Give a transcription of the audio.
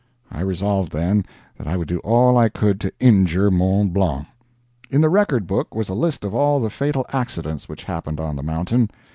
I resolved, then, that I would do all I could to injure Mont Blanc. In the record book was a list of all the fatal accidents which happened on the mountain.